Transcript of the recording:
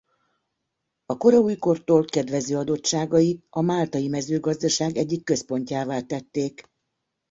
A kora újkortól kedvező adottságai a máltai mezőgazdaság egyik központjává tették.